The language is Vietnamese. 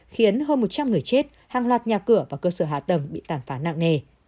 khiến hơn một trăm linh người chết hàng loạt nhà cửa và cơ sở hạ tầng bị tàn phá nặng nề